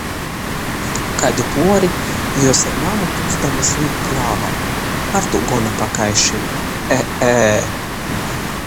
Kaidu puori juos ar mamu tusdamys līk klāvā. Ar tū gona pakaišim. E-ē!